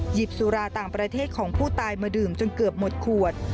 สุราต่างประเทศของผู้ตายมาดื่มจนเกือบหมดขวด